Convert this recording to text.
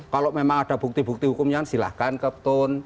kalau memang ada bukti bukti hukumnya silahkan keptun